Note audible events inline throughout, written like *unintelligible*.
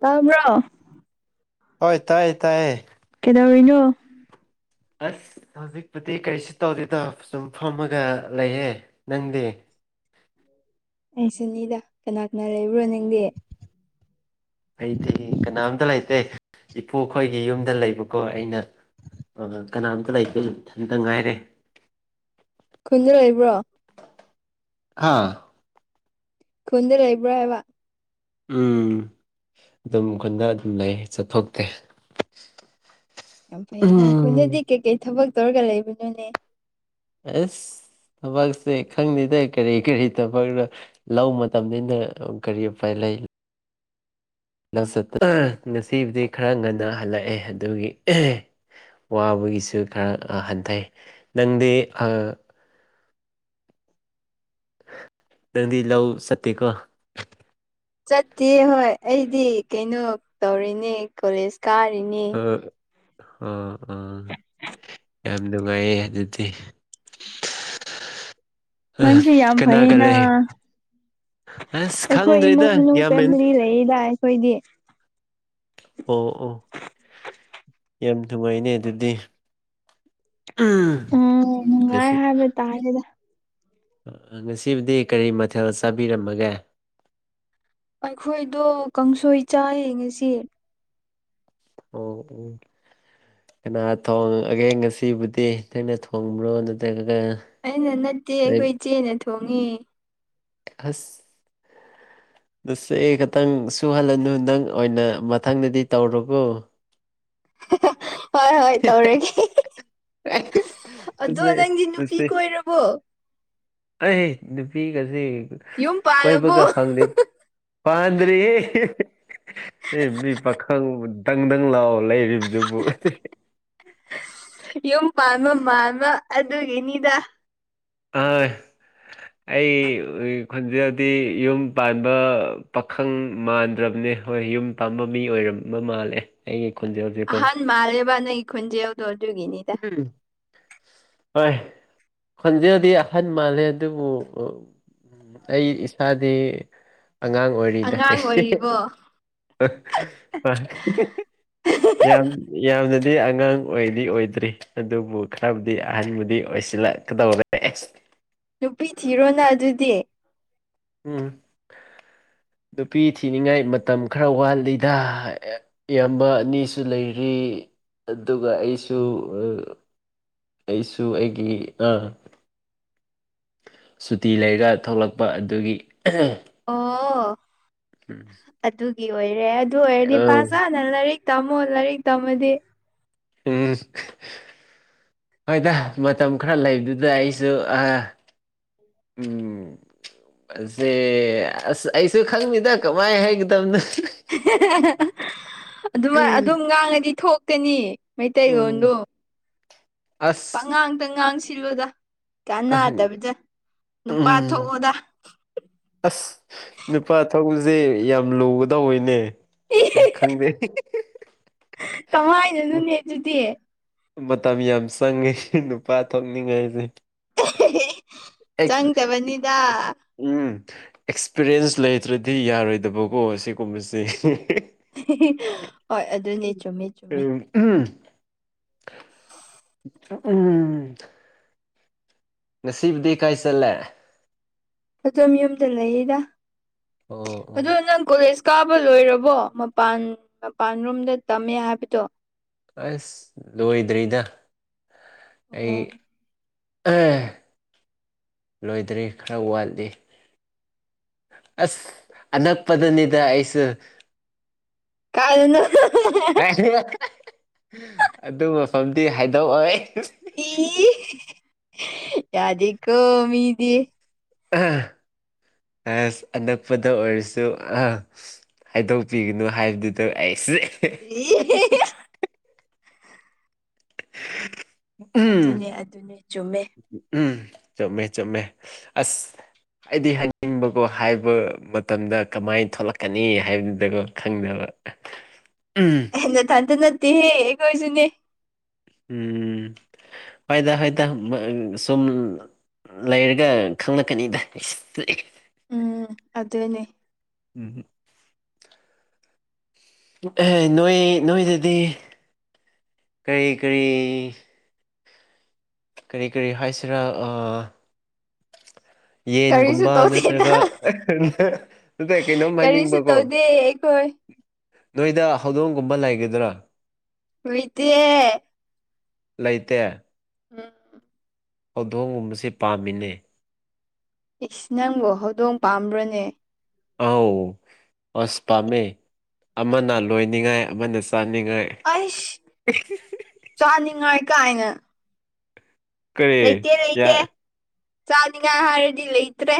ꯇꯕ꯭ꯔꯣ ꯍꯣꯏ ꯇꯥꯏꯌꯦ ꯇꯥꯏꯌꯦ ꯀꯩꯗꯧꯔꯤꯅꯣ ꯑꯁ ꯍꯧꯖꯤꯛꯄꯨꯗꯤ ꯀꯔꯤꯁꯨ ꯇꯧꯗꯦꯗꯣ ꯁꯨꯝ ꯐꯝꯃꯒ ꯂꯩꯍꯦ ꯅꯪꯗꯤ ꯑꯦ ꯁꯨꯅꯤꯗ ꯀꯅꯥ ꯀꯅꯥ ꯂꯩꯕ꯭ꯔꯣ ꯅꯗꯤ ꯑꯩꯗꯤ ꯀꯅꯥꯝꯇ ꯂꯩꯇꯦ ꯏꯄꯨꯈꯣꯏꯒꯤ ꯌꯨꯝꯗ ꯂꯩꯕꯀꯣ ꯑꯩꯅ ꯀꯅꯥꯝꯇ ꯂꯩꯇꯦ ꯏꯊꯟꯇ ꯉꯥꯏꯔꯦ ꯈꯨꯟꯗ ꯂꯩꯕ꯭ꯔꯣ ꯍꯥꯥ ꯈꯨꯟꯗ ꯂꯩꯕ꯭ꯔꯥ ꯍꯥꯏꯕ ꯎꯝ ꯑꯗꯨꯝ ꯈꯨꯟꯗ ꯑꯗꯨꯝ ꯂꯩ ꯆꯠꯊꯣꯛꯇꯦ ꯌꯥꯝ ꯐꯩꯩꯅ ꯎꯝ ꯑꯩꯈꯣꯏꯅꯗꯤ ꯀꯩꯀꯩ ꯊꯕꯛ ꯇꯧꯔꯒ ꯂꯩꯕꯅꯣꯅꯦ ꯑꯁ ꯊꯕꯛꯁꯦ ꯈꯪꯗꯦꯗ ꯀꯔꯤ ꯀꯔꯤ ꯊꯕꯛꯅꯣ ꯂꯧ ꯃꯇꯝꯅ ꯀꯔꯤ ꯎꯄꯥꯏ ꯂꯩ ꯉꯁꯤꯕꯨꯗꯤ ꯈꯔ ꯉꯟꯅ ꯍꯜꯂꯛꯑꯦ ꯑꯗꯨꯒꯤ ꯋꯥꯕꯒꯤꯁꯨ ꯈꯔ ꯍꯟꯊꯩ ꯅꯪꯗꯤ ꯅꯪꯗꯤ ꯂꯧ ꯆꯠꯇꯦꯀꯣ ꯆꯠꯇꯦ ꯍꯣꯏ ꯑꯩꯗꯤ ꯀꯩꯅꯣ ꯇꯧꯔꯤꯅꯦ ꯀꯣꯂꯦꯖ ꯀꯥꯔꯤꯅꯦ ꯑꯣ ꯑꯥ ꯌꯥꯝ ꯅꯨꯡꯉꯥꯏꯌꯦ ꯑꯗꯨꯗꯤ ꯅꯪꯁꯦ ꯌꯥꯝ ꯀꯅꯥꯒ ꯐꯩꯌꯦꯅ ꯂꯩ ꯑꯁ ꯑꯩꯈꯣꯏ ꯏꯃꯨꯡ ꯈꯪꯗ꯭ꯔꯦꯗ ꯃꯅꯨꯡ ꯌꯥꯝꯃꯦꯟ ꯐꯦꯃꯤꯂꯤ ꯂꯩꯗ ꯑꯩꯈꯣꯏꯗꯤ ꯑꯣ ꯑꯣ ꯌꯥꯝ ꯅꯨꯡꯉꯥꯏꯅꯦ ꯑꯗꯨꯗꯤ ꯎꯝ ꯎꯝ ꯅꯨꯡꯉꯥꯏ ꯉꯁꯤ ꯍꯥꯏꯕ ꯇꯥꯔꯦꯗ ꯉꯁꯤꯕꯨꯗꯤ ꯀꯔꯤ ꯃꯊꯦꯜ ꯆꯥꯕꯤꯔꯝꯃꯒꯦ ꯑꯩꯈꯣꯏꯗꯣ ꯀꯥꯡꯁꯣꯏ ꯆꯥꯌꯦ ꯉꯁꯤ ꯑꯣ ꯀꯅꯥ ꯊꯣꯡꯒꯦ ꯉꯁꯤꯕꯨꯗꯤ ꯅꯪꯅ ꯊꯣꯡꯕ꯭ꯔꯣ ꯅꯠꯇ꯭ꯔꯒ ꯑꯩꯅ ꯅꯠꯇꯦ ꯑꯩꯈꯣꯏ ꯏ ꯆꯦꯅ ꯊꯣꯡꯉꯤ ꯍꯁ ꯅꯁꯦ ꯈꯛꯇꯪ ꯁꯨꯍꯜꯂꯅꯨ ꯅꯪ ꯑꯣꯏꯅ ꯃꯊꯪꯗꯗꯤ ꯇꯧꯔꯣꯒꯣ *unintelligible* ꯍꯣꯏ ꯍꯣꯏ ꯇꯧꯔꯒꯦ ꯑꯗꯣ ꯅꯠꯇꯦ ꯅꯪꯗꯤ ꯅꯨꯄꯤ ꯅꯠꯇꯦ ꯀꯣꯏꯔꯕꯣ ꯑꯩ ꯅꯨꯄꯤꯒꯁꯦ ꯌꯨꯝ ꯀꯣꯏꯕꯒ ꯄꯥꯜꯂꯕꯨ ꯐꯪꯗꯦ ꯄꯥꯟꯗꯔꯤꯍꯦ ꯃꯤ ꯄꯥꯈꯪ *unintelligible* ꯂꯩꯔꯤꯕꯗꯨꯕꯨ *unintelligible* ꯌꯨꯝ ꯄꯥꯟꯕ ꯃꯥꯜꯕ ꯑꯗꯨꯒꯤꯅꯤꯗ *unintelligible* *inaudible* ꯑꯩ ꯈꯣꯟꯖꯗꯗꯤ ꯌꯨꯝ ꯄꯥꯟꯕ ꯄꯥꯈꯪ ꯃꯥꯟꯗ꯭ꯔꯕꯅꯦ ꯍꯣꯏ ꯌꯨꯝ ꯇꯝꯕ ꯃꯤ ꯑꯣꯏꯔꯝꯕ ꯃꯥꯜꯂꯦ ꯑꯩꯒꯤ ꯈꯣꯟꯖꯦꯜꯁꯤꯀꯣ ꯑꯍꯟ ꯃꯥꯜꯂꯦꯕ ꯅꯪꯒꯤ ꯈꯣꯟꯖꯦꯜꯗꯣ ꯑꯗꯨꯒꯤꯅꯤꯗ ꯎꯝ. ꯍꯣꯏ ꯈꯣꯟꯖꯦꯜꯗꯤ ꯑꯍꯟ ꯃꯥꯜꯂꯦ ꯑꯗꯨꯕꯨ ꯑꯩ ꯏꯁꯥꯗꯤ ꯑꯉꯥꯡ ꯑꯣꯏꯔꯤ ꯔꯤꯗ ꯑꯉꯥꯡ ꯑꯣꯏꯔꯤꯕꯣ *unintelligible* ꯌꯥꯝ ꯌꯥꯝꯅꯗꯤ ꯑꯉꯥꯡ ꯑꯣꯏꯗꯤ ꯑꯣꯏꯗꯦ ꯇ꯭ꯔꯤ ꯑꯗꯨꯕꯨ ꯈꯔꯕꯨꯗꯤ ꯑꯍꯟꯕꯨꯗꯤ ꯑꯣꯏꯁꯤꯜꯂꯛꯀꯗꯧꯔꯦ ꯅꯨꯄꯤ ꯊꯤꯔꯣꯅ ꯑꯗꯨꯗꯤ ꯎꯝ ꯅꯨꯄꯤ ꯊꯤꯅꯤꯡꯉꯥꯏ ꯃꯇꯝ ꯈꯔ ꯋꯥꯠꯂꯤꯗ ꯏꯌꯥꯝꯕ ꯑꯅꯤꯁꯨ ꯂꯩꯔꯤ ꯑꯗꯨꯒ ꯑꯩꯁꯨ ꯑꯩꯁꯨ ꯑꯩꯒꯤ ꯑ ꯁꯨꯇꯤ ꯂꯩꯔꯒ ꯊꯣꯛꯂꯛꯄ ꯑꯗꯨꯒꯤ ꯑꯣ ꯑꯗꯨꯒꯤ ꯑꯣꯏꯔꯦ ꯑꯗꯨ ꯑꯣꯏꯔꯗꯤ ꯄꯥꯖꯥꯠ ꯂꯥꯏꯔꯤꯛ ꯇꯃꯣ ꯂꯥꯏꯔꯤꯛ ꯇꯝꯃꯗꯤ ꯎꯝ *unintelligible* ꯍꯣꯏꯗ ꯃꯇꯝ ꯈꯔ ꯂꯩꯕꯗꯨꯗ ꯑꯩꯁꯨ ꯎꯝ ꯑꯁꯦ ꯑꯁ ꯑꯩꯁꯨ ꯈꯪꯗꯦꯗ ꯀꯃꯥꯏ ꯍꯥꯏꯒꯗꯕꯅꯣ ꯍ *unintelligible* ꯑꯗꯨꯃꯥꯏ ꯑꯗꯨꯝ ꯉꯥꯡꯉꯗꯤ ꯊꯣꯛꯀꯅꯤ ꯃꯩꯇꯩ ꯎꯝ ꯂꯣꯟꯗꯣ ꯑꯁ ꯄꯉꯥꯡꯇ ꯉꯥꯡ ꯁꯤꯟꯂꯨꯗ ꯑꯍꯝ ꯀꯥꯅꯥꯗꯕꯗ ꯅꯨꯄꯥ ꯎꯝ ꯊꯣꯛꯑꯣꯗ ꯑꯁ ꯅꯨꯄꯥ ꯊꯣꯛꯕꯁꯦ ꯌꯥꯝ ꯂꯨꯒꯗꯅꯦ ꯏ ꯈꯪꯗꯦ ꯀꯃꯥꯏꯅꯅꯣꯅꯦ ꯑꯗꯨꯗꯤ ꯃꯇꯝ ꯌꯥꯝ ꯆꯪꯉꯤ ꯅꯨꯄꯥ ꯊꯣꯛꯅꯤꯡꯉꯥꯏꯁꯦ *unintelligible* ꯑꯦꯛꯁ ꯆꯪꯗꯕꯅꯤꯗ ꯎꯝ ꯑꯦꯛꯁꯄꯤꯔꯤꯌꯦꯟꯁ ꯂꯩꯇ꯭ꯔꯗꯤ ꯌꯥꯔꯣꯏꯗꯕꯀꯣ ꯑꯁꯤꯒꯨꯝꯕꯁꯦ *unintelligible* ꯍꯣꯏ ꯑꯗꯨꯅꯦ ꯆꯨꯝꯃꯦ ꯆꯨꯝꯃꯦ ꯎꯝ ꯎꯝ ꯎꯝ ꯉꯁꯤꯕꯨꯗꯤ ꯀꯥꯏ ꯆꯠꯂꯦ ꯑꯗꯨꯝ ꯌꯨꯝꯗ ꯂꯩꯔꯤꯗ ꯑꯣ ꯑꯣ ꯑꯗꯣ ꯅꯪ ꯀꯣꯂꯦꯖ ꯀꯥꯕ ꯂꯣꯏꯔꯕꯣ ꯃꯄꯥꯟ ꯃꯄꯥꯟ ꯔꯣꯝꯗ ꯇꯝꯃꯦ ꯍꯥꯏꯕꯗꯣ ꯑꯁ ꯂꯣꯏꯗ꯭ꯔꯤꯗ ꯑꯩ ꯑꯣ ꯑꯦ ꯂꯣꯏꯗ꯭ꯔꯔꯤ ꯈꯔ ꯋꯥꯠꯂꯤ ꯑꯁ ꯑꯅꯛꯄꯗꯅꯤꯗ ꯑꯩꯁꯨ ꯀꯥꯏꯗꯩꯅꯣ *unintelligible* ꯍꯥꯏ *unintelligible* ꯑꯗꯨ ꯃꯐꯝꯗꯤ ꯍꯥꯏꯗꯣꯛꯑꯣꯏ *unintelligible* ꯌꯥꯗꯦꯀꯣ ꯃꯤꯗꯤ ꯑꯦꯁ ꯑꯅꯛꯄꯗ ꯑꯣꯏꯔꯁꯨ ꯍꯥꯏꯗꯣꯛꯄꯤꯒꯅꯨ ꯍꯥꯏꯕꯗꯨꯗ ꯑꯩꯁꯦ *unintelligible* ꯎꯝ ꯑꯗꯨꯅꯦ ꯑꯗꯨꯅꯦ ꯆꯨꯝꯃꯦ ꯎꯝ ꯆꯨꯝꯃꯦ ꯆꯨꯝꯃꯦ ꯑꯁ ꯑꯩꯗꯤ ꯍꯥꯏꯅꯤꯡꯕꯀꯣ ꯍꯥꯏꯕ ꯃꯇꯝꯗ ꯀꯃꯥꯏ ꯊꯣꯛꯂꯛꯀꯅꯤ ꯍꯥꯏꯕꯗꯨꯗꯒꯣ ꯈꯪꯗꯕ *inaudible* ꯎꯝ ꯍꯩ ꯅꯊꯟꯇ ꯅꯠꯇꯦꯍꯦ ꯑꯩꯈꯣꯏꯁꯨꯅꯦ ꯎꯝ ꯍꯣꯏꯗ ꯍꯣꯏꯗ ꯁꯨꯝ ꯂꯩꯔꯒ ꯈꯪꯂꯛꯀꯅꯤꯗ ꯏꯁ ꯎꯝ ꯑꯗꯨꯅꯦ ꯎꯝꯍꯨ ꯅꯣꯏ ꯅꯣꯏꯗꯨꯗꯤ ꯀꯔꯤ ꯀꯔꯤ ꯀꯔꯤ ꯀꯔꯤ ꯍꯥꯏꯁꯤꯔꯥ ꯑꯥ ꯀꯔꯤꯁꯨ ꯌꯦꯟꯒꯨꯝꯕ ꯇꯧꯗꯦꯗ ꯅꯠꯇ꯭ꯔꯒ ꯅꯠꯇꯦ ꯀꯩꯅꯣꯝ ꯀꯔꯤꯁꯨ ꯍꯥꯏꯅꯤꯡꯕꯀꯣ ꯇꯧꯗꯦ ꯑꯩꯈꯣꯏ ꯅꯣꯏꯗ ꯍꯧꯗꯣꯡꯒꯨꯝꯕ ꯂꯩꯒꯗ꯭ꯔꯥ ꯂꯩꯇꯦ ꯂꯩꯇꯦ ꯎꯝ ꯍꯧꯗꯣꯡꯒꯨꯝꯕꯁꯦ ꯄꯥꯝꯃꯤꯅꯦ ꯏꯁ ꯅꯪꯕꯨ ꯍꯧꯗꯣꯡ ꯄꯥꯝꯕ꯭ꯔꯅꯦ ꯑꯥꯎ ꯑꯁ ꯄꯥꯝꯃꯦ ꯑꯃꯅ ꯂꯣꯏꯅꯤꯡꯉꯥꯏ ꯑꯃꯅ ꯆꯥꯅꯤꯡꯉꯥꯏ ꯑꯩꯁ ꯆꯥꯅꯤꯡꯉꯥꯏ ꯀꯥꯏꯅ ꯀꯔꯤ ꯂꯩꯇꯦ ꯌꯥ ꯂꯩꯇꯦ ꯆꯥꯅꯤꯉꯥꯏ ꯍꯥꯏꯔꯗꯤ ꯂꯩꯇ꯭ꯔꯦ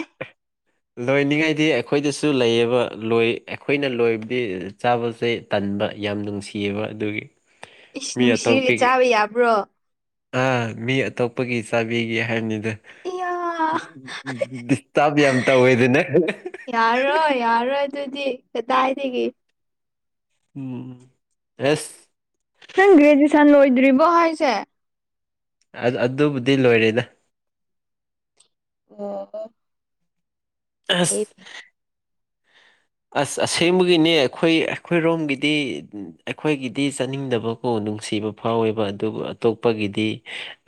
ꯂꯣꯏꯅꯤꯡꯉꯥꯏꯗꯤ ꯑꯩꯈꯣꯏꯗꯁꯨ ꯂꯩꯌꯦꯕ ꯂꯣꯏ ꯑꯩꯈꯣꯏꯅ ꯂꯣꯏꯕꯗꯤ ꯆꯥꯕꯁꯦ ꯇꯟꯕ ꯌꯥꯝ ꯅꯨꯡꯁꯤꯌꯦꯕ ꯑꯗꯨꯒꯤ ꯏꯁ ꯃꯤ ꯅꯨꯡꯁꯤꯔꯦ ꯑꯇꯣꯞꯄꯒꯤ ꯆꯥꯕ ꯌꯥꯕ꯭ꯔꯣ ꯑꯥ ꯃꯤ ꯑꯇꯣꯞꯄꯒꯤ ꯆꯥꯕꯤꯒꯦ ꯍꯥꯏꯕꯅꯤꯗ ꯏꯌꯥ ꯗꯤꯁꯇꯥꯞ ꯌꯥꯝ ꯇꯧꯋꯦꯗꯅ ꯌꯥꯔꯣꯏ ꯌꯥꯔꯣꯏ ꯑꯗꯨꯗꯤ ꯀꯗꯥꯥꯏꯗꯒꯤ ꯎꯝ ꯎꯝ ꯔꯦꯁ ꯅꯪ ꯒ꯭ꯔꯦꯖꯨꯑꯦꯁꯟ ꯂꯣꯏꯗ꯭ꯔꯤꯕꯣ ꯍꯥꯏꯁꯦ ꯑ ꯑꯗꯨꯕꯨꯗꯤ ꯂꯣꯏꯔꯦꯗ ꯑꯣ ꯑꯣ ꯍꯤꯞ ꯑꯁ ꯑꯁ ꯑꯁꯦꯡꯕꯒꯤꯅꯦ ꯑꯩꯈꯣꯏ ꯑꯩꯈꯣꯏꯔꯣꯝꯒꯤꯗꯤ ꯑꯩꯈꯣꯏꯒꯤꯗꯤ ꯆꯥꯅꯤꯡꯗꯕ ꯑꯣ ꯅꯨꯡꯁꯤꯕ ꯐꯥꯎꯋꯦꯕ ꯑꯗꯨꯕꯨ ꯑꯇꯣꯞꯄꯒꯤꯗꯤ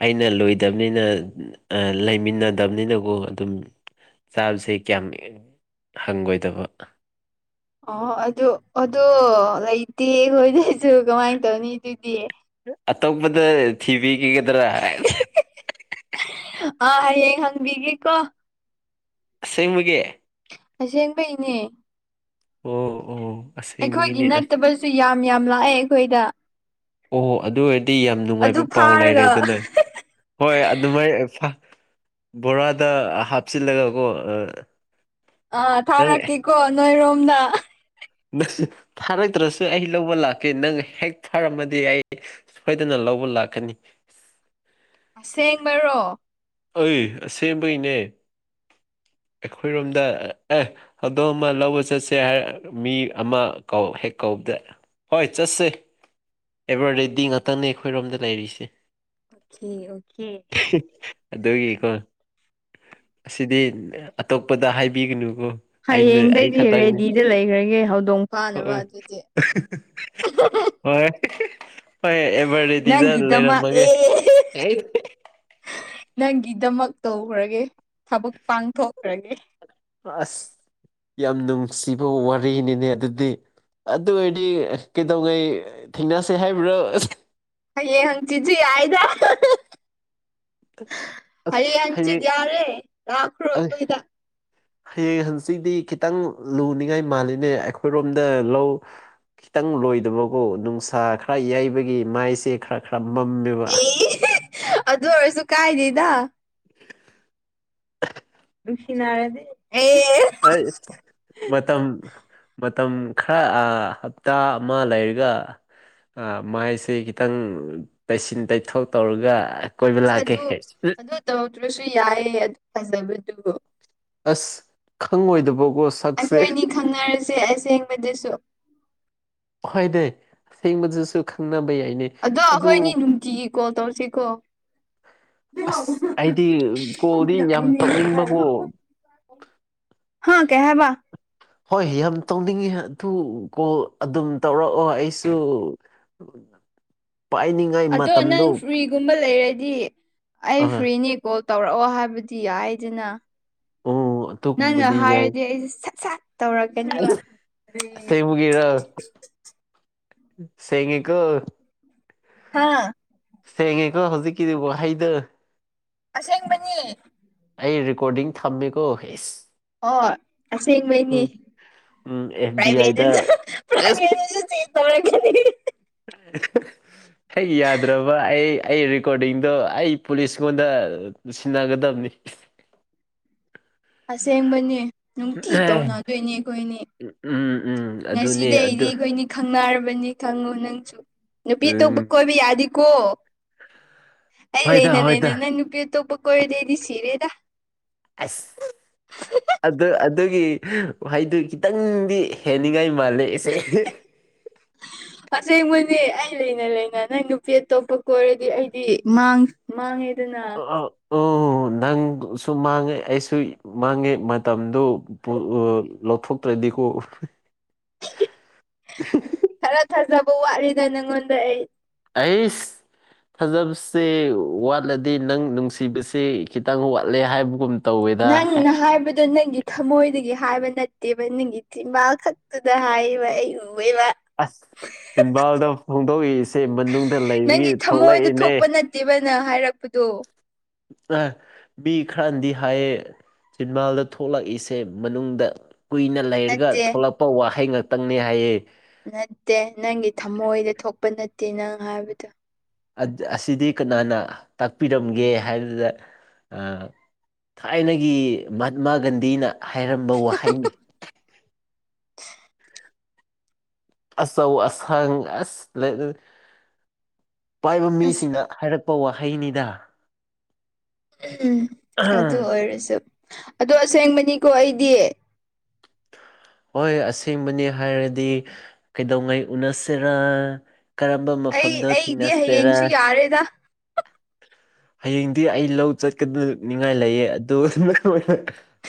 ꯑꯩꯅ ꯂꯣꯏꯗꯕꯅꯤꯅ ꯑ ꯂꯩꯃꯤꯟꯅꯗꯕꯅꯤꯅꯀꯣ ꯑꯗꯨꯝ ꯆꯥꯕꯁꯦ ꯀꯌꯥꯝ ꯍꯪꯒꯣꯏꯗꯕ ꯑꯣ ꯑꯗꯨ ꯑꯗꯣ ꯂꯩꯇꯦꯈꯣꯏꯗꯁꯨ ꯀꯃꯥꯏꯅ ꯇꯧꯅꯤ ꯑꯗꯨꯗꯤ ꯑꯇꯣꯞꯄꯗ ꯊꯤꯕꯤꯈꯤꯒꯗ꯭ꯔꯥ ꯑ ꯍꯌꯦꯡ ꯍꯪꯕꯤꯒꯦꯀꯣ ꯑꯁꯦꯡꯕꯒꯤ ꯑꯁꯦꯡꯕꯩꯅꯦ ꯑꯣꯍꯣ ꯑꯣꯍꯣ ꯑꯩꯈꯣꯏꯒꯤ ꯅꯠꯇꯕꯁꯨ ꯌꯥꯝ ꯌꯥꯝ ꯂꯥꯛꯑꯦ ꯑꯩꯈꯣꯏꯗ ꯑꯣꯍꯣ ꯑꯗꯨ ꯑꯣꯏꯔꯗꯤ ꯌꯥꯝ ꯑꯗꯨ ꯅꯨꯡꯉꯥꯏꯕ ꯄꯥꯎ ꯐꯥꯔꯒ ꯂꯩꯔꯦꯗꯅ ꯍꯣꯏ ꯑꯗꯨꯃꯥꯏ ꯐꯥ ꯕꯣꯔꯥꯗ ꯍꯥꯞꯆꯤꯜꯂꯒ ꯀꯣ ꯑ ꯑꯥ ꯊꯥꯔꯛꯀꯦꯀꯣ ꯅꯣꯏꯔꯣꯝꯗ *unintelligible* ꯐꯥꯔꯛꯇ꯭ꯔꯁꯨ ꯑꯩ ꯂꯧꯕ ꯂꯥꯛꯀꯦ ꯅꯪ ꯍꯦꯛ ꯐꯥꯔꯝꯃꯗꯤ ꯑꯩ ꯁꯣꯏꯗꯅ ꯂꯧꯕ ꯂꯥꯛꯀꯅꯤ ꯑꯁꯦꯡꯕꯔꯣ ꯑꯩ ꯑꯁꯦꯡꯕꯒꯤꯅꯦ ꯑꯩꯈꯣꯏꯔꯣꯝꯗ ꯑꯦ ꯍꯧꯗꯣꯡ ꯑꯃ ꯂꯧꯕ ꯆꯠꯁꯦ ꯍꯥꯏꯔ ꯃꯤ ꯑꯃ ꯍꯦꯛ ꯀꯧꯕꯗ꯭ꯔꯦ ꯍꯣꯏ ꯆꯠꯁꯦ ꯑꯦꯕꯔ ꯔꯦꯗꯤ ꯉꯥꯛꯇꯪꯅꯦ ꯑꯩꯈꯣꯏꯔꯣꯝꯗ ꯂꯩꯔꯤꯁꯦ ꯑꯣꯀꯦ ꯑꯣꯀꯦ *inaudible* ꯑꯗꯨꯒꯤꯀꯣ ꯑꯁꯤꯗꯤ ꯑꯇꯣꯞꯄꯗ ꯍꯥꯏꯕꯤꯒꯅꯨꯀꯣ ꯑꯩꯅ ꯑꯩ ꯍꯌꯦꯡꯗꯒꯤꯩꯗꯤ ꯈꯛꯇꯪꯅꯤ ꯔꯦꯗꯤꯗ ꯂꯩꯈ꯭ꯔꯒꯦ ꯍꯧꯗꯣꯡ ꯑꯣ ꯐꯥꯅꯕ ꯑꯗꯨꯗꯤ ꯎ ꯍꯣꯏ ꯍꯣꯏ ꯑꯦꯚꯔ ꯔꯦꯗꯤꯗ ꯅꯪꯒꯤꯗꯃꯛ ꯂꯩꯔꯝꯃꯒꯦ ꯑꯦ ꯅꯪꯒꯤꯗꯃꯛ ꯇꯧꯈ꯭ꯔꯒꯦ ꯊꯕꯛ ꯄꯥꯡꯊꯣꯛꯈ꯭ꯔꯒꯦ ꯑꯁ ꯌꯥꯝ ꯅꯨꯡꯁꯤꯕ ꯋꯥꯔꯤꯅꯤꯅꯦ ꯑꯗꯨꯗꯤ ꯑꯗꯨ ꯑꯣꯏꯔꯗꯤ ꯀꯩꯗꯧꯉꯩ ꯊꯦꯡꯅꯁꯦ ꯍꯥꯏꯕ꯭ꯔꯣ ꯑꯁ ꯍꯌꯦꯡ ꯍꯪ ꯆꯤꯁꯤꯦ ꯍꯥꯏꯗ ꯑꯁ ꯍꯔꯤ ꯑꯆꯤꯠ ꯍꯌꯦꯡ ꯌꯥꯔꯦ ꯑꯩ ꯂꯈ꯭ꯔꯣꯣꯏꯗ ꯍꯌꯦꯡ ꯍꯪꯆꯤꯗꯤ ꯈꯤꯇꯪ ꯂꯨꯅꯤꯡꯉꯥꯏ ꯃꯥꯜꯂꯤꯅꯦ ꯑꯩꯈꯣꯏꯔꯣꯝꯗ ꯂꯧ ꯈꯤꯇꯪ ꯂꯣꯏꯗꯕꯀꯣ ꯅꯨꯡꯁꯥ ꯈꯔ ꯌꯩꯕꯒꯤ ꯃꯥꯏꯁꯦ ꯈꯔ ꯈꯔ ꯃꯝꯃꯦꯕ ꯑꯁ ꯑꯦ ꯑꯗꯨ ꯑꯣꯏꯔꯁꯨ ꯀꯥꯏꯗꯗ *inaudible* ꯁꯤꯅꯔꯗꯤ ꯑꯩ ꯃꯇꯝ ꯃꯇꯝ ꯈꯔ ꯍꯞꯇꯥ ꯑꯃ ꯂꯩꯔꯒ ꯃꯥꯏꯁꯦ ꯈꯤꯇꯪ ꯇꯩꯁꯤꯟ ꯇꯩꯊꯣꯛ ꯇꯧꯔꯒ ꯀꯣꯏꯕ ꯏꯁ ꯂꯥꯛꯀꯦ ꯑꯗꯨ ꯑꯗꯨ ꯇꯧꯗ꯭ꯔꯁꯨ ꯌꯥꯏꯌꯦ ꯑꯗꯨ ꯐꯖꯕꯗꯨ ꯑꯁ ꯈꯪꯉꯣꯏꯗꯕꯀꯣ ꯁꯛꯁꯦ ꯑꯩꯈꯣꯏ ꯑꯅꯤ ꯈꯪꯅꯔꯁꯦ ꯑꯁꯦꯡꯕꯗꯁꯨ ꯣꯏꯗ ꯑꯁꯦꯡꯕꯗꯨꯁꯨ ꯈꯪꯕ ꯌꯥꯏꯅꯦ ꯑꯗꯣ ꯑꯩꯈꯣꯏꯅꯤ ꯑꯗꯨ ꯅꯨꯡꯇꯤꯒꯤ ꯀꯣꯜ ꯇꯧꯔꯁꯤꯀꯣ ꯑꯁ ꯑꯩꯗꯤ ꯀꯣꯜꯗꯤ ꯌꯥꯝ ꯇꯧꯅꯤꯡꯕꯀꯣ ꯍꯅꯤꯅ ꯍꯥ ꯀꯦꯍꯕ ꯍꯣꯏ ꯌꯥꯝ ꯇꯧꯅꯤꯡꯉꯤ ꯑꯗꯨ ꯀꯣꯜ ꯑꯗꯨꯝ ꯇꯧꯔꯛꯑꯣ ꯑꯩꯁꯨ ꯄꯥꯏꯅꯤ ꯑꯗꯣ ꯅꯪ ꯐ꯭ꯔꯤꯒꯨꯝꯕ ꯂꯩꯔꯗꯤ ꯑꯩ ꯑꯥ ꯐ꯭ꯔꯤꯅꯤ ꯀꯣꯜ ꯇꯧꯔꯛꯑꯣ ꯍꯥꯏꯕꯗꯤ ꯌꯥꯏꯗꯅ ꯑꯣ ꯅꯪꯅ ꯑꯗꯨꯒꯨꯝꯕꯗꯤ ꯍꯥꯏꯔꯗꯤ ꯑꯩꯁꯦ ꯁꯠ ꯁꯠ ꯇꯧꯔꯒꯦ ꯁꯦꯡꯃꯨꯒꯔ ꯁꯦꯡꯉꯀ ꯍꯥꯥ ꯁꯦꯡꯉꯦꯀꯣ ꯍꯧꯖꯤꯛꯀꯤꯗꯨꯕꯨ ꯍꯩꯗ ꯑꯁꯦꯡꯕꯅꯤ ꯑꯩ ꯔꯦꯀꯣꯔꯗꯤꯡ ꯊꯝꯃꯦꯀꯣ ꯍꯁ ꯑꯣ ꯑꯁꯦꯡꯕꯩꯅꯤ ꯎꯝ ꯑꯦꯐ ꯕꯤ ꯑꯥꯏꯗ ꯄ꯭ꯔꯥꯏꯚꯦꯠꯁꯨ ꯑꯦꯁ ꯄ꯭ꯔꯥꯏꯚꯦꯠꯁꯨ ꯆꯦꯟ ꯇꯧꯔꯛꯒꯅꯤ *inaudible* ꯍꯦꯛ ꯌꯥꯗ꯭ꯔꯕ ꯑꯩ ꯑꯩ ꯔꯦꯀꯣꯔꯗꯤꯡꯗꯣ ꯑꯩ ꯄꯨꯂꯤꯁꯉꯣꯟꯗ ꯁꯤꯟꯅꯒꯗꯕꯅꯤ ꯑꯁꯦꯡꯕꯅꯦ ꯅꯨꯡꯇꯤ ꯇꯧꯅꯗꯣꯏꯅꯦ ꯑꯩꯈꯣꯏꯅꯤ ꯎꯝ ꯎꯝ ꯎꯝ ꯑꯗꯨꯅꯦ ꯉꯁꯤꯗꯤ ꯑꯩꯗꯤ ꯑꯗꯨ ꯑꯩꯈꯣꯏꯅꯤ ꯈꯪꯅꯔꯕꯅꯤ ꯈꯪꯉꯣ ꯅꯪꯁꯨ ꯅꯨꯄꯤ ꯎꯝ ꯑꯇꯣꯞꯄ ꯀꯣꯏꯕ ꯌꯥꯗꯦꯀꯣ ꯑꯩ ꯍꯣꯏꯗ ꯂꯩꯅ ꯂꯩꯅ ꯍꯣꯏꯗ ꯅꯪ ꯅꯨꯄꯤ ꯑꯇꯣꯞꯄ ꯀꯣꯏꯔꯗ ꯑꯩꯗꯤ ꯁꯤꯔꯦꯗ ꯑꯁ ꯑꯗꯨ ꯑꯗꯨ ꯑꯗꯨꯒꯤ ꯋꯥꯍꯩꯗꯨ ꯈꯤꯇꯪꯗꯤ ꯍꯦꯟꯅꯤꯡꯉꯥꯏ ꯃꯥꯜꯂꯦ ꯏꯆꯦ *inaudible* ꯑꯁꯦꯡꯕꯅꯦ ꯑꯩ ꯂꯩꯅ ꯂꯩꯅ ꯅꯪ ꯅꯨꯄꯤ ꯑꯇꯣꯞꯄ ꯀꯣꯏꯔꯗꯤ ꯑꯩꯗꯤ ꯃꯥꯡꯉꯦꯗꯅ ꯑ ꯑꯣ ꯅꯪꯁꯨ ꯃꯥꯡꯉꯦ ꯑꯩꯁꯨ ꯃꯥꯡꯉꯦ ꯃꯇꯝꯗꯨ ꯂꯧꯊꯣꯛ ꯔꯗꯤꯈꯣ *inaudible* *inaudible* ꯈꯔ ꯊꯥꯖꯕ ꯋꯥꯠꯂꯤꯗ ꯅꯪꯉꯣꯟꯗ ꯑꯩ ꯑꯁ ꯐꯖꯕꯁꯦ ꯋꯥꯠꯂꯗꯤ ꯅꯪ ꯅꯨꯡꯁꯤꯕꯁꯦ ꯈꯤꯇꯪ ꯋꯥꯠꯂꯦ ꯍꯥꯏꯕꯒꯨꯝ ꯇꯧꯋꯦꯗ ꯅꯪꯅ ꯍꯥꯏꯕꯗꯣ ꯅꯪꯒꯤ ꯊꯃꯣꯏꯗꯒꯤ ꯍꯥꯏꯕ ꯅꯠꯇꯦꯕ ꯅꯪꯒꯤ ꯆꯤꯝꯕꯥꯥꯜ ꯈꯛꯇꯨꯗ ꯍꯥꯏꯔꯤꯕ ꯑꯩ ꯎꯑꯕ ꯑꯁ ꯆꯝꯕꯥꯜꯗ ꯐꯣꯡꯗꯣꯛꯏꯁꯦ ꯃꯅꯨꯡꯗ ꯂꯩꯕꯒꯤ ꯊꯣꯛꯂꯛꯏꯅꯦ ꯇꯤꯕꯅ ꯍꯥꯏꯔꯛꯄꯗꯣ ꯑ ꯃꯤ ꯈꯔꯅꯗꯤ ꯍꯥꯏꯌꯦ ꯆꯤꯟꯕꯥꯜꯗ ꯊꯣꯛꯂꯛꯏꯁꯦ ꯃꯅꯨꯡꯗ ꯀꯨꯏꯅ ꯂꯩꯔꯒ ꯅꯠꯇꯦ ꯊꯣꯛꯂꯛꯄ ꯋꯥꯍꯩ ꯉꯥꯛꯇꯪꯅꯤ ꯍꯥꯏꯌꯦ ꯅꯠꯇꯦ ꯅꯪꯒꯤ ꯊꯃꯣꯏꯗ ꯊꯣꯛꯄ ꯅꯠꯇꯦ ꯅꯪ ꯍꯥꯏꯕꯗꯣ ꯑꯁꯤꯗꯤ ꯀꯅꯥꯅ ꯇꯥꯛꯄꯤꯔꯝꯒꯦ ꯍꯥꯏꯕꯗ ꯊꯥꯏꯅꯒꯤ ꯃꯍꯥꯇꯃꯥ ꯒꯥꯟꯙꯤꯅ ꯍꯥꯏꯔꯝꯕ ꯋꯥꯍꯩꯅꯤ ꯑꯆꯧ ꯑꯁꯪ ꯑꯁ ꯂꯩ ꯄꯥꯏꯕ ꯑꯁ ꯃꯤꯁꯤꯡꯅ ꯍꯥꯏꯔꯛꯄ ꯋꯥꯍꯩꯅꯤꯗ ꯎꯝ ꯑꯗꯨ ꯑꯣꯏꯔꯁꯨ ꯑꯗꯣ ꯑꯁꯦꯡꯕꯅꯤꯀꯣ ꯑꯩꯗꯤ ꯍꯣꯏ ꯑꯁꯦꯡꯕꯅꯤ ꯍꯥꯏꯔꯗꯤ ꯀꯩꯗꯧꯉꯩ ꯎꯅꯁꯤꯔꯥ ꯀꯔꯝꯕ ꯃꯐꯝꯗ ꯊꯦꯡꯅꯁꯦꯔꯥ ꯍꯔꯦꯗ ꯍꯌꯦꯡꯗꯤ ꯑꯩ ꯂꯧ ꯆꯠꯀꯗꯅꯤꯡꯉꯥꯏ ꯂꯩꯌꯦ ꯑꯗꯨꯗ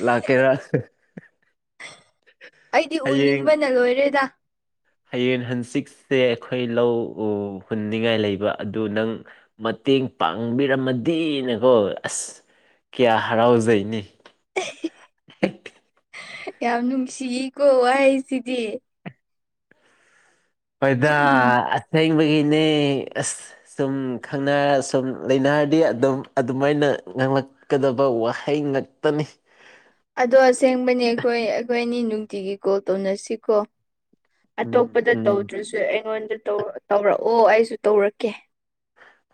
ꯂꯥꯛꯀꯦꯔ ꯑꯩꯗꯤ ꯎꯅꯤꯡꯕꯅ ꯂꯣꯏꯔꯦꯗ ꯍꯌꯦꯡ ꯍꯪꯆꯤꯛꯁꯦ ꯑꯩꯈꯣꯏ ꯂꯧ ꯍꯨꯟꯅꯤꯡꯉꯥꯏ ꯂꯩꯕ ꯑꯗꯨ ꯅꯪ ꯃꯇꯦꯡ ꯄꯥꯡꯕꯤꯔꯝꯃꯗꯤꯅꯀꯣ ꯑꯁ ꯀꯌꯥ ꯍꯔꯥꯎꯖꯩꯅꯤ ꯌꯥꯝ ꯅꯨꯡꯁꯤꯀꯣ ꯋꯥꯍꯩꯁꯤꯗꯤ ꯍꯣꯏꯗꯥ ꯎꯝ ꯑꯁꯦꯡꯕꯒꯤꯅꯦ ꯑꯁ ꯁꯨꯝ ꯈꯪꯅꯔ ꯁꯨꯝ ꯂꯩꯅꯔꯗꯤ ꯑꯗꯨꯝ ꯑꯗꯨꯃꯥꯏꯅ ꯉꯥꯡꯛ ꯀꯗꯕ ꯋꯥꯍꯩ ꯉꯥꯛꯇꯅꯤ ꯑꯗꯣ ꯑꯁꯦꯡꯕꯅꯦ ꯑꯩꯈꯣꯏ ꯑꯩꯈꯣꯏ ꯑꯅꯤ ꯅꯨꯡꯇꯤꯒꯤ ꯀꯣꯜ ꯇꯧꯅꯁꯤꯀꯣ ꯎꯝ ꯑꯇꯣꯞꯄꯗ ꯎꯝ ꯇꯧꯗ꯭ꯔꯁꯨ ꯑꯩꯉꯣꯟꯗ ꯇꯧꯔꯛꯑꯣ ꯑꯩꯁꯨ ꯇꯧꯔꯛꯀꯦ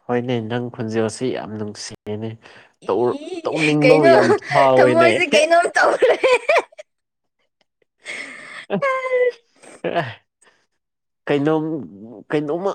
ꯍꯣꯏꯅꯦ ꯅꯪ ꯈꯨꯟꯖꯦꯜꯁꯤ ꯌꯥꯝ ꯅꯨꯡꯁꯤꯌꯦꯅꯦ ꯇꯧ ꯏ ꯇꯧꯅꯤꯡꯕ ꯀꯩꯅꯣ ꯌꯥꯝ ꯐꯥꯎꯋꯦꯅꯦ ꯊꯃꯣꯏꯁꯦ ꯀꯩꯅꯣꯝ ꯇꯧꯈ꯭ꯔꯦ ꯀꯩꯅꯣꯝ ꯀꯩꯅꯣꯝꯃ